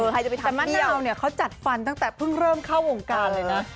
ใครจะไปทำเบี้ยวแต่มันแน่นอนเนี่ยเขาจัดฟันตั้งแต่เพิ่งเริ่มเข้าวงการเลยนะ